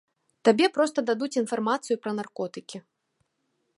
Табе проста дадуць інфармацыю пра наркотыкі.